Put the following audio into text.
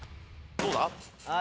どうだ？